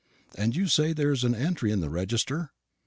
"And you say there is an entry in the register?"